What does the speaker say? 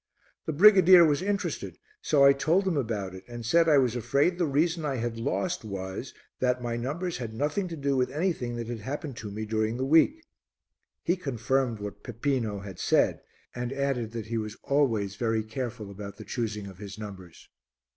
The brigadier was interested, so I told him about it and said I was afraid the reason I had lost was that my numbers had nothing to do with anything that had happened to me during the week. He confirmed what Peppino had said and added that he was always very careful about the choosing of his numbers.